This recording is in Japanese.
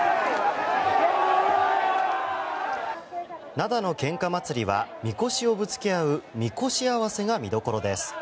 灘のけんか祭りはみこしをぶつけ合うみこし合わせが見どころです。